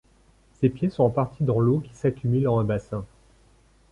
Ses pieds sont en partie dans l'eau qui s'accumule en un bassin.